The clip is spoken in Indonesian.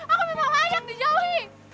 aku tidak layak dijauhi